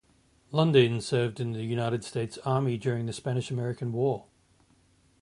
Lundeen served in the United States Army during the Spanish-American War.